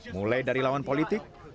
mulai dari lawan politik